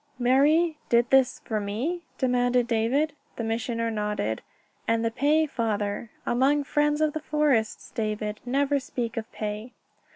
"Marie ... did this ... for me?" demanded David. The Missioner nodded. "And the pay, Father...." "Among friends of the forests, David, never speak of pay."